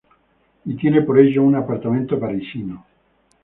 Y tiene por ello un apartamento parisino.